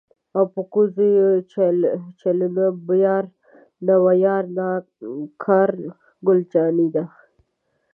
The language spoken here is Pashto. او په کوزو یې چلوینه یاره نا وه یاره نا کار ګل جانی دی.